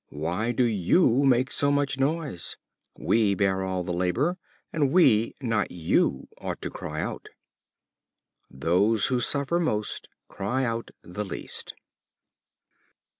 why do you make so much noise? We bear all the labor, and we, not you, ought to cry out." Those who suffer most cry out the least.